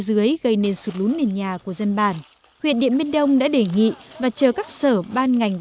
dưới gây nên sụt lún nền nhà của dân bản huyện điện biên đông đã đề nghị và chờ các sở ban ngành và